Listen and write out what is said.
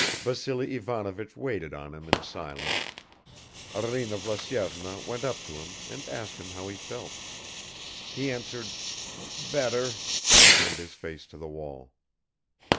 Vassily Ivanovich waited on him in silence; Arina Vlasyevna went up to him and asked him how he felt. He answered, "Better," and turned his face to the wall.